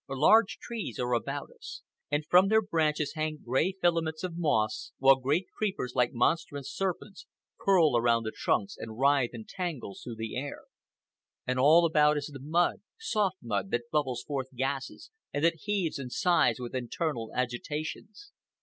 Large trees are about us, and from their branches hang gray filaments of moss, while great creepers, like monstrous serpents, curl around the trunks and writhe in tangles through the air. And all about is the mud, soft mud, that bubbles forth gases, and that heaves and sighs with internal agitations.